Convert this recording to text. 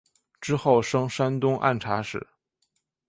之后升山东按察使。